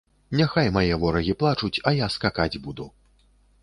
Няхай мае ворагі плачуць, а я скакаць буду.